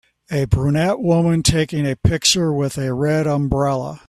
A brunette woman taking a picture with a red umbrella